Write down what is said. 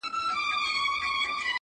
د همدې په زور عالم راته غلام دی -